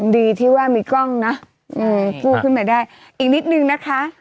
ดีที่ว่ามีกล้องนะกู้ขึ้นมาได้อีกนิดนึงนะคะ